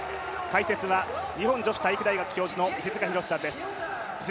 解説は日本女子体育大学の石塚浩さんです。